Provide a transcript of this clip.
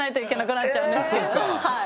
はい。